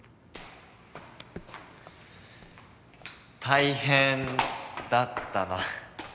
大変だったな。